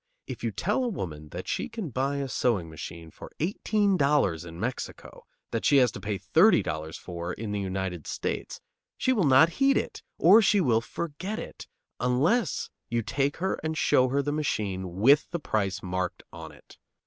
If you tell a woman that she can buy a sewing machine for eighteen dollars in Mexico that she has to pay thirty dollars for in the United States, she will not heed it or she will forget it unless you take her and show her the machine with the price marked on it.